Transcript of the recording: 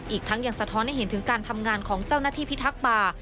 อีกทั้งยังสะท้อนให้เห็นถึงการทำงานของเจ้าหน้าที่พิทักษ์ป่า